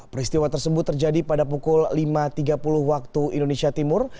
peristiwa tersebut terjadi pada pukul lima tiga puluh waktu indonesia timur